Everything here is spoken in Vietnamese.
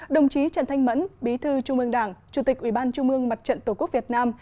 đồng chí trần thanh mẫn bí thư trung ương đảng chủ tịch ủy ban trung mương mặt trận tổ quốc việt nam